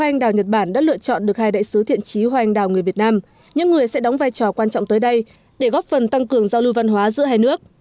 những người sẽ đóng vai trò quan trọng tới đây để góp phần tăng cường giao lưu văn hóa giữa hai nước